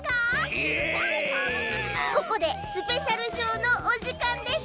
ここでスペシャルショーのおじかんです。